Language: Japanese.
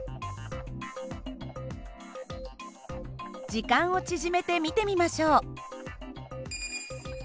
時間を縮めて見てみましょう。